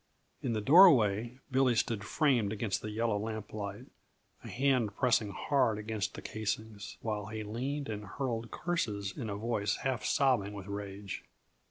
In the doorway, Billy stood framed against the yellow lamplight, a hand pressing hard against the casings while he leaned and hurled curses in a voice half sobbing with rage.